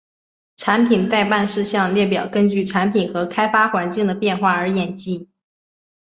产品待办事项列表根据产品和开发环境的变化而演进。